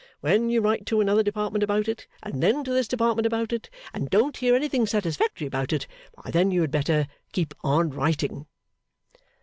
When you write to another Department about it, and then to this Department about it, and don't hear anything satisfactory about it, why then you had better keep on writing.